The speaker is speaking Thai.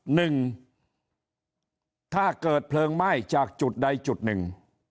หนึ่งถ้าเกิดเพลิงไหม้จากจุดใดจุดหนึ่ง